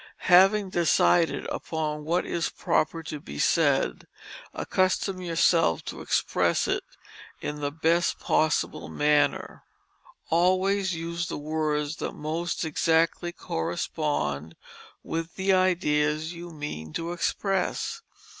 Having decided upon what is proper to be said accustom yourself to express it in the best possible manner. Always use the words that most exactly correspond with the ideas you mean to express.